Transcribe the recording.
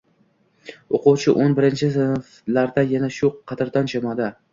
Oʻquvchi o‘n birinchi sinflarda yana shu qadrdon jamoada